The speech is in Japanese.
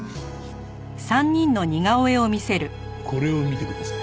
これを見てください。